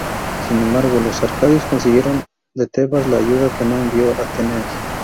Sin embargo, los arcadios consiguieron de Tebas la ayuda que no envió Atenas.